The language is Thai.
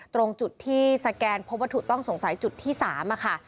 ตรงจุดที่สแกนพบวัตถุต้องสงสัยจุดที่๓ค่ะ